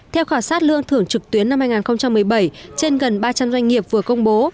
theo khảo sát lương thưởng trực tuyến năm hai nghìn một mươi bảy trên gần ba trăm linh doanh nghiệp vừa công bố